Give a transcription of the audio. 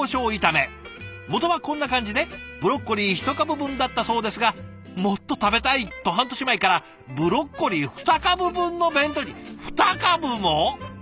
もとはこんな感じでブロッコリー１株分だったそうですがもっと食べたい！と半年前からブロッコリー２株分の弁当に２株も！？